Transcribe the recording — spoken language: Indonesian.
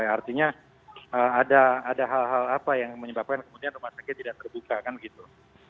artinya ada hal hal apa yang menyebabkan kemudian rumah sakit tidak terbuka kan gitu